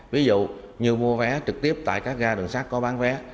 ví dụ như mua vé trực tiếp tại các ga đường sắt có bán vé